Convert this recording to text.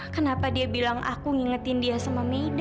kenapa dia bilang aku ngingetin dia sama aida